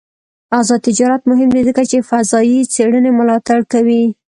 آزاد تجارت مهم دی ځکه چې فضايي څېړنې ملاتړ کوي.